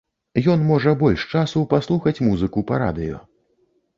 Ён можа больш часу паслухаць музыку па радыё.